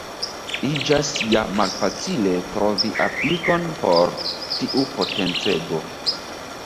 Iĝas ja malfacile trovi aplikon por tiu potencego.